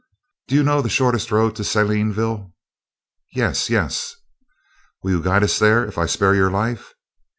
"Do you know the shortest road to Salineville?" "Yes; yes." "Will you guide us there if I spare your life?"